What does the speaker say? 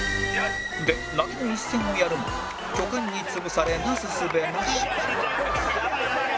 で泣きの一戦をやるも巨漢に潰されなすすべなし